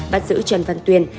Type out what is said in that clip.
bắt giữ trần văn tuyên